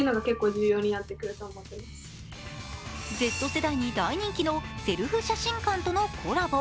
Ｚ世代に大人気のセルフ写真館とのコラボ。